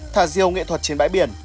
thả diều nghệ thuật trên bãi biển